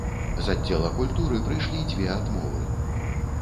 З аддзела культуры прыйшлі дзве адмовы.